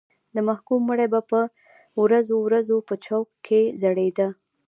د محکوم مړی به په ورځو ورځو په چوک کې ځړېده.